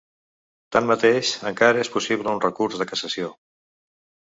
Tanmateix, encara és possible un recurs de cassació.